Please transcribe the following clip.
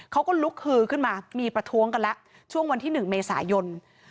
เขาก็ลุกฮือขึ้นมามีประท้วงกันแล้วช่วงวันที่๑เมษายน